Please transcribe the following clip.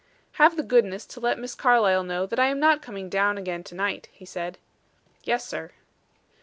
"Have the goodness to let Miss Carlyle know that I am not coming down again to night," he said. "Yes, sir."